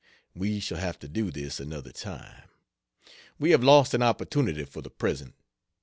We shall have to do this another time. We have lost an opportunity for the present.